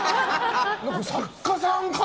作家さんかな？